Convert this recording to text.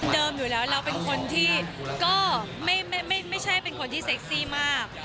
อยู่แล้วเราเป็นคนที่ก็ไม่ใช่เป็นคนที่เซ็กซี่มาก